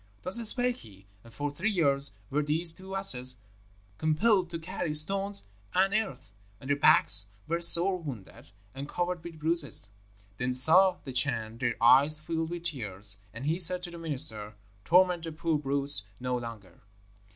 "Thus spake he, and for three years were these two asses compelled to carry stones and earth; and their backs were sore wounded, and covered with bruises. Then saw the Chan their eyes filled with tears, and he said to the minister, 'Torment the poor brutes no longer.'